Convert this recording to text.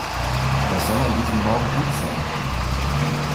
Was soll an diesem Morgen gut sein?